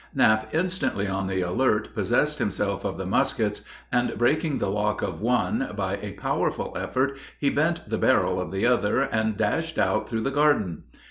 Knapp, instantly on the alert, possessed himself of the muskets, and breaking the lock of one, by a powerful effort he bent the barrel of the other, and dashed out through the garden.